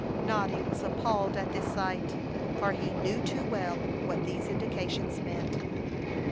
Noddy was appalled at this sight, for he knew too well what these indications meant.